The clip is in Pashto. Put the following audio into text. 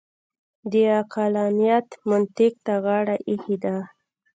د عقلانیت منطق ته غاړه اېښې ده.